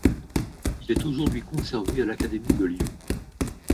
Il est aujourd’hui conservé à l’Académie de Lyon.